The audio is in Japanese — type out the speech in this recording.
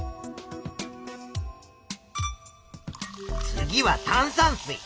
次は「炭酸水」。